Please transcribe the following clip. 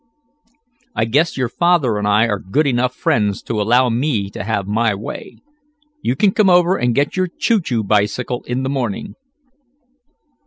"I guess your father and I are good enough friends to allow me to have my way. You can come over and get your choo choo bicycle in the morning."